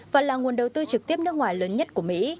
và là nguồn đầu tư trực tiếp nước ngoài lớn nhất của mỹ